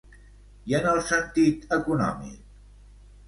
I en el sentit econòmic?